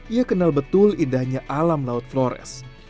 ia kenal betul indahnya alam laut flores